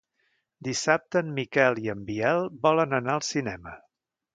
Dissabte en Miquel i en Biel volen anar al cinema.